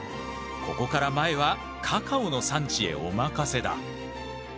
ここから前はカカオの産地へお任せだ。